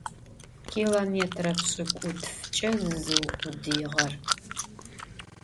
Kilomêtre pş'ık'utfç'e zızıkhudıiğer.